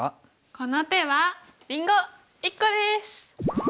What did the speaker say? この手はりんご１個です！